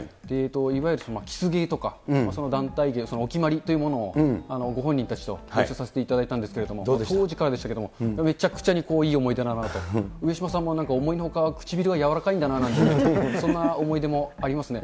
いわゆるキス芸とか団体芸、お決まりというものをご本人たちと勉強させていただいたんですけれども、当時からでしたけれども、めちゃくちゃにいい思い出だなと、上島さんも思いのほか、唇が柔らかいんだななんて、そんな思い出もありますね。